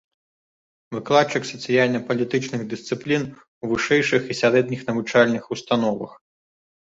Выкладчык сацыяльна-палітычных дысцыплін у вышэйшых і сярэдніх навучальных установах.